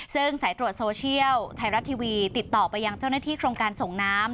ซึ่งสายตรวจโซเชียลไทยรัฐทีวีติดต่อไปยังเจ้าหน้าที่โครงการส่งน้ำ